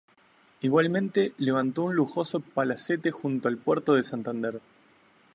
Igualmente, levantó un lujoso palacete junto al puerto de Santander.